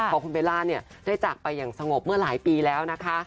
ของคุณเบลล่าเนี่ยได้จากไปอย่างสงบเมื่อหลายปีแล้วนะคะ